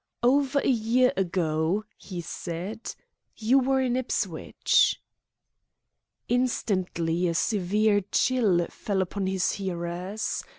"Over a year ago," he said, "you were in Ipswich." Instantly a severe chill fell upon his hearers.